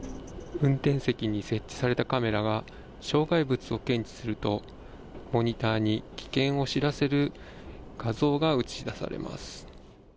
運転席に設置されたカメラが障害物を検知すると、モニターに危険を知らせる画像が映し出されます。